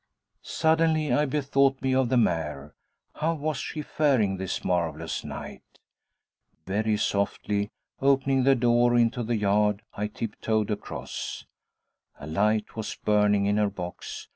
Suddenly I bethought me of the mare. How was she faring, this marvelous night? Very softly opening the door into the yard, I tiptoed across. A light was burning in her box.